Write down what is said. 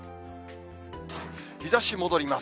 日ざし戻ります。